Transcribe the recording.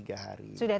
sudah tiga hari